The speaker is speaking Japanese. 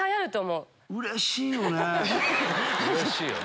うれしいよね？